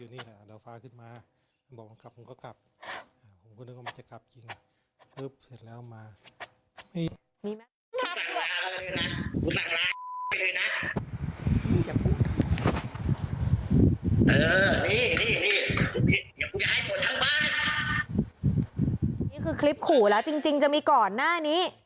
นี่คือคลิปขู่แล้วจริงจะมีก่อนหน้านี้